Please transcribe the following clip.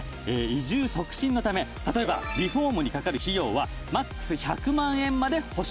移住促進のため例えばリフォームにかかる費用はマックス１００万円まで保証。